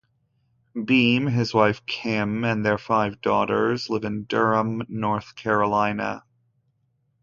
Beam, his wife Kim, and their five daughters live in Durham, North Carolina.